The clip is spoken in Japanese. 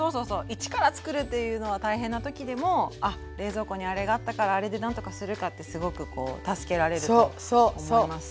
一から作るというのは大変な時でもあっ冷蔵庫にあれがあったからあれで何とかするかってすごくこう助けられると思います。